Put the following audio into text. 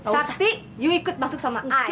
sakti yu ikut masuk sama ayah